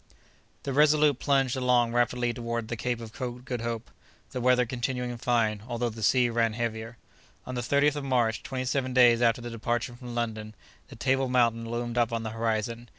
The Resolute plunged along rapidly toward the Cape of Good Hope, the weather continuing fine, although the sea ran heavier. On the 30th of March, twenty seven days after the departure from London, the Table Mountain loomed up on the horizon.